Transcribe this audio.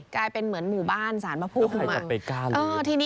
กลายเป็นเหมือนหมู่บ้านสารพระภูมิ